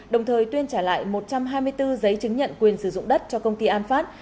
đồng thời tuyên trả lại một trăm hai mươi bốn giấy chứng nhận quyền sử dụng đất cho công ty an phát